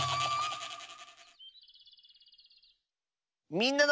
「みんなの」。